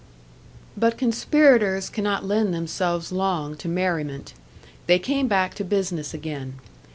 But conspirators cannot lend themselves long to merriment. They came back to business again.